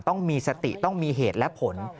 ต้องมีสติต้องมีเหตุและผล